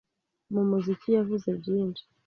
mu muziki yavuze byinshi